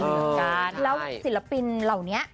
ไวร์ก่านแล้วทองศิลปินเหล่านี้